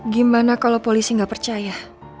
gimana kalau polisi nggak percaya